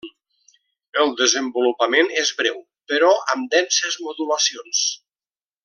El desenvolupament és breu, però amb denses modulacions.